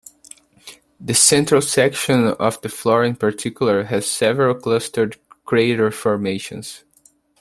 The central section of the floor in particular has several clustered crater formations.